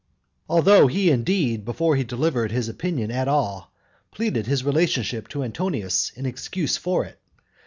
Although he, indeed, before he delivered his opinion at all, pleaded his relationship to Antonius in excuse for it.